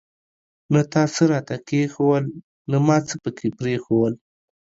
نه تا څه راته کښېښوول ، نه ما څه پکښي پريښودل.